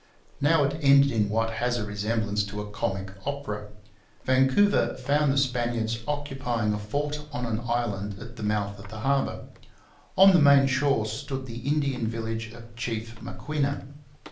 Now it ended in what has a resemblance to a comic opera. Vancouver found the Spaniards occupying a fort on an island at the mouth of the harbour. On the main shore stood the Indian village of Chief Maquinna.